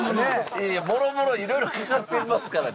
いやいやもろもろいろいろかかってますからね